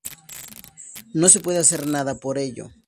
No se puede hacer nada por ello.